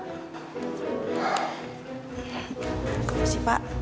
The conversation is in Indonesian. terima kasih pak